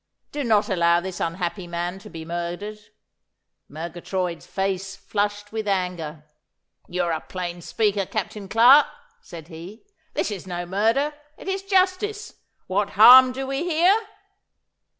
Do not allow this unhappy man to be murdered.' Murgatroyd's face flushed with anger. 'You are a plain speaker, Captain Clarke,' said he. 'This is no murder. It is justice. What harm do we here?